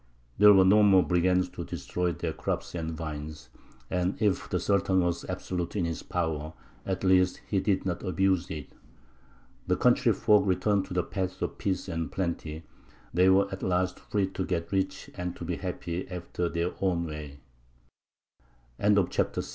There were no more brigands to destroy their crops and vines; and if the Sultan was absolute in his power, at least he did not abuse it. The country folk returned to the paths of peace and plenty; they were at last free to get rich and to be happy after the